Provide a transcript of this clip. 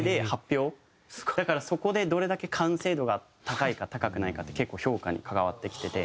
だからそこでどれだけ完成度が高いか高くないかって結構評価に関わってきてて。